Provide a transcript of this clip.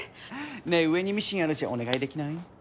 ねえ上にミシンあるしお願いできない？